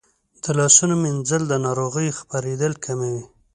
د لاسونو مینځل د ناروغیو خپرېدل کموي.